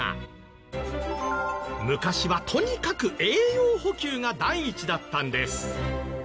昔はとにかく栄養補給が第一だったんです。